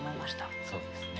そうですね。